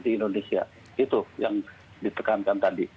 di indonesia itu yang ditekankan tadi